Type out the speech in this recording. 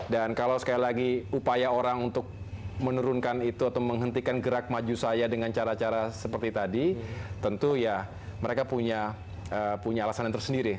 dan kalau sekali lagi upaya orang untuk menurunkan itu atau menghentikan gerak maju saya dengan cara cara seperti tadi tentu ya mereka punya alasan yang tersendiri